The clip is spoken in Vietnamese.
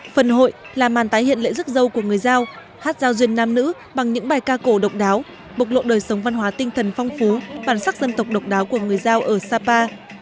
phần hội là màn tái hiện lễ rước dâu của người giao hát giao duyên nam nữ bằng những bài ca cổ độc đáo bộc lộ đời sống văn hóa tinh thần phong phú bản sắc dân tộc độc đáo của người giao ở sapa